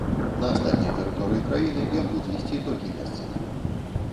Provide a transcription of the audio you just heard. На астатняй тэрыторыі краіны ён будзе ісці толькі месцамі.